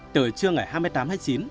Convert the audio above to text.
từ trưa ngày hai mươi tám hai mươi chín